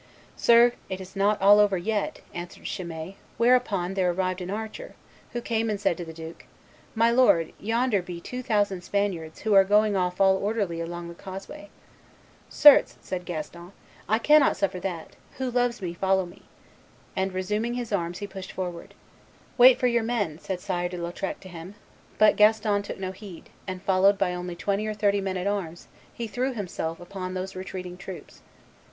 'Sir, it is not all over yet,' answered Chimay; whereupon there arrived an archer, who came and said to the duke, 'My lord, yonder be two thousand Spaniards, who are going off all orderly along the causeway.' 'Certes,' said Gaston, 'I cannot suffer that; whoso loves me, follow me.' And resuming his arms he pushed forward. 'Wait for your men,' said Sire de Lautrec to him; but Gaston took no heed, and followed by only twenty or thirty men at arms, he threw himself upon those retreating troops."